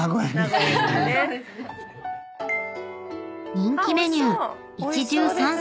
［人気メニュー］